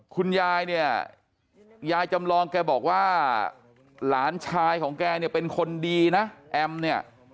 คุณยายเนี่ยยายจำลองแกบอกว่าหลานชายของแกเนี่ยเป็นคนดีนะแอมเนี่ย